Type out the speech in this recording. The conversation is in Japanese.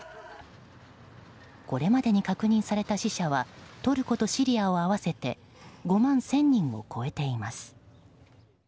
これまでに確認された死者はトルコとシリアを合わせて５万１０００人を超えています。